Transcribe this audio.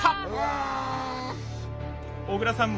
小倉さん